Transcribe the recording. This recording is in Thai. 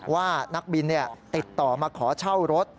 ว่านักบินติดต่อมาขอเช่ารถ